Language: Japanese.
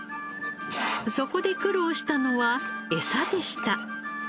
そこで苦労したのはエサでした。